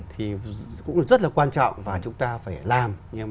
thì cũng rất là quan trọng và chúng ta phải làm